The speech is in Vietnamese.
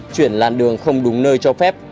chuyển làn đường không đúng nơi cho phép